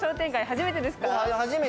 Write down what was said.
初めてですか？